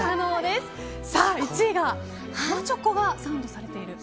１位が生チョコがサンドされていると。